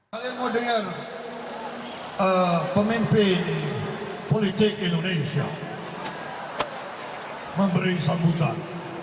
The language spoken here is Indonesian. kalian mau dengar pemimpin politik indonesia memberi sambutan